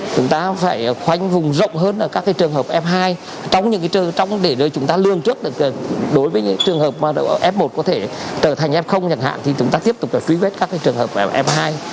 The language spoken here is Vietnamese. chúng ta phải khoanh vùng rộng hơn ở các trường hợp f hai để chúng ta lương trước đối với những trường hợp f một có thể trở thành f nhận hạn thì chúng ta tiếp tục phí vết các trường hợp f hai